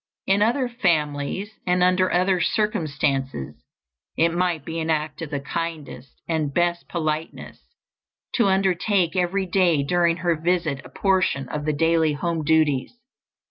In other families and under other circumstances it might be an act of the kindest and best politeness to undertake every day during her visit a portion of the daily home duties.